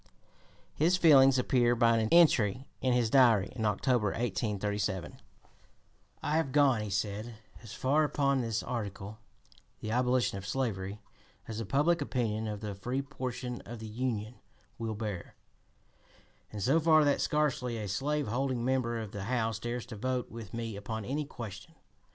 His feelings appear by an entry in his Diary in October, 1837: "I have gone [he said] as far upon this article, the abolition of slavery, as the public opinion of the free portion of the Union will bear, and so far that scarcely a slave holding member of the House dares to vote with me upon any question.